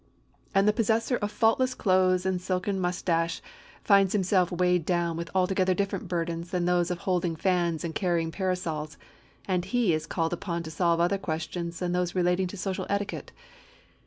And the possessor of faultless clothes and a silken mustache finds himself weighed down with altogether different burdens than those of holding fans and carrying parasols; and he is called upon to solve other questions than those relating to social etiquette.